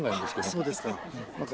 そうですか。